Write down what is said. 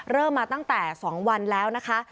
เริ่มมาตั้งแต่๒วันแล้วนะคะ